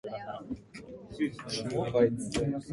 加茂川のほとりに建っていたときは、非常によく調和のとれた家でした